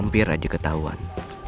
hampir aja ketahuan